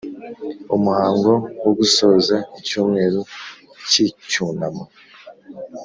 Umuhango wo Gusoza icyumweru cy Icyunamo